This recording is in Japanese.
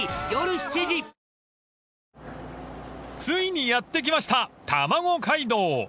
［ついにやって来ましたたまご街道］